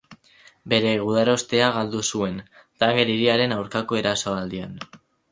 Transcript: Bere gudarostea galdu zuen Tanger hiriaren aurkako erasoaldian.